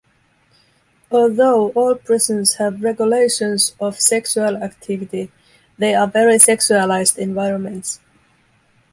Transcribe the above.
Although all prisons have regulations of sexual activity, they are very sexualized environments.